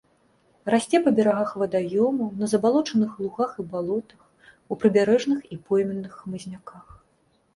Расце па берагах вадаёмаў, на забалочаных лугах і балотах, у прыбярэжных і пойменных хмызняках.